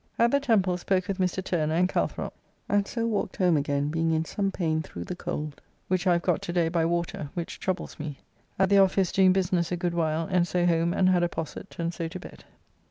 At the Temple spoke with Mr. Turner and Calthrop, and so walked home again, being in some pain through the cold which I have got to day by water, which troubles me. At the office doing business a good while, and so home and had a posset, and so to bed.